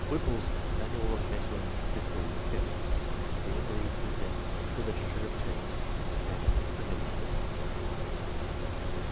Whipple's "Manual of Mental and Physical Tests" conveniently presents the literature of tests and stand ards for many of them.